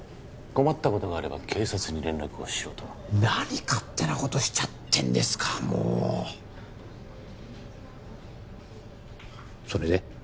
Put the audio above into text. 困ったことがあれば警察に連絡をしろと何勝手なことしちゃってんですかもうそれで？